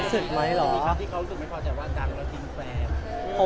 ศึกไหมเหรอครับที่เขารู้สึกไม่พอใจว่าดังแล้วทิ้งแฟน